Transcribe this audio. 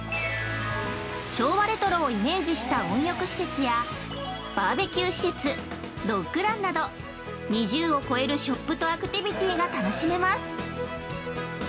昭和レトロをイメージした温浴施設やバーベキュー施設、ドッグランなど、２０を超えるショップとアクティビティが楽しめます。